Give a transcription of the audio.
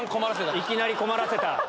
いきなり困らせた。